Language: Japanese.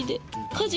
家事。